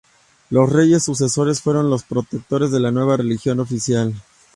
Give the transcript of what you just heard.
Los reyes sucesores fueron los protectores de la nueva religión oficial.